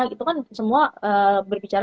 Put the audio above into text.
itu kan semua berbicara